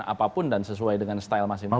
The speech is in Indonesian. apapun dan sesuai dengan style masing masing